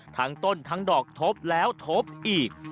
ทั้งต้นทั้งดอกทบแล้วทบอีก